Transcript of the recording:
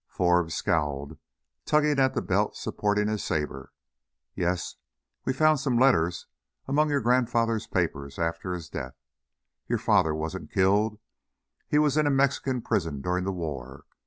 Forbes scowled, tugging at the belt supporting his saber. "Yes. We found some letters among your grandfather's papers after his death. Your father wasn't killed; he was in a Mexican prison during the war.